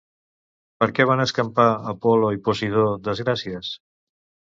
Per què van escampar Apol·lo i Posidó desgràcies?